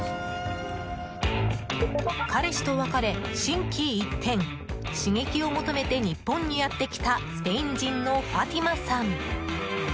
彼氏と別れ、心機一転刺激を求めて日本にやって来たスペイン人のファティマさん。